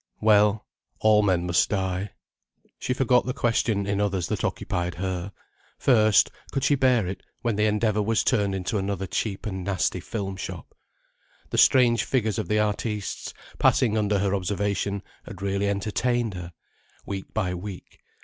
Well, all men must die. She forgot the question in others that occupied her. First, could she bear it, when the Endeavour was turned into another cheap and nasty film shop? The strange figures of the artistes passing under her observation had really entertained her, week by week.